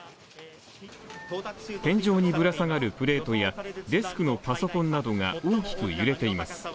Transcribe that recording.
天井にぶらさがるプレートやデスクのパソコンなどが大きく揺れています。